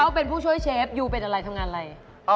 เขาเป็นผู้ช่วยเชฟยูเป็นอะไรทำงานอะไร